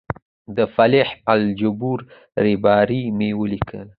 د فلیح الجبور ریباري مې ولیکه.